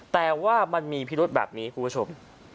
แต่ว่ามันมีพิรุธแบบนี้คุณผู้ชม